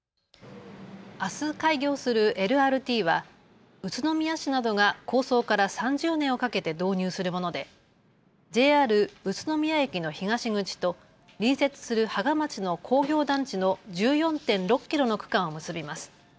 あす開業するＬＲＴは宇都宮市などが構想から３０年をかけて導入するものでＪＲ宇都宮駅の東口と隣接する芳賀町の工業団地の１４．６キロの区間を結びます。